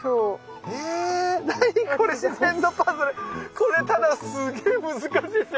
これただすげ難しいですよ